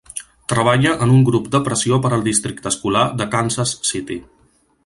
Treballa en un grup de pressió per al districte escolar de Kansas City.